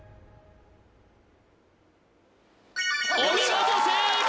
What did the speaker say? お見事正解！